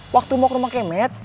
waktu mau ke rumah kemet